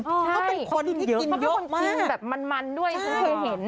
ใช่เขาเป็นคนที่กินเยอะมากมันด้วยเคยเห็น